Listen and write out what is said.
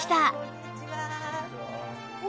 こんにちは。